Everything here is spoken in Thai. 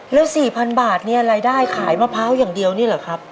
แล้ว๔๐๐๐บาทเนี่ยรายได้ขายมะพร้าวอย่างเดียวนี่เหรอครับ